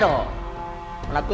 kok merinding ya